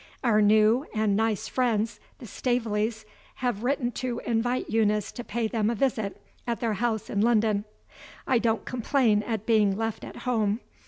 Our new and nice friends, the Staveleys, have written to invite Eunice to pay them a visit at their house in London. I don't complain at being left at home.